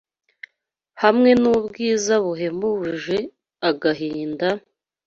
hamwe nubwiza buhebuje, agahinda,